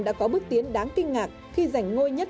đã có bước tiến đáng kinh ngạc khi giành ngôi nhất